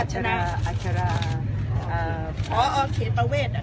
อัจฉราอัจฉราอ่าอ๋ออ๋อเขตประเวทอะ